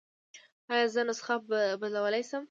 ایا زه نسخه بدلولی شم؟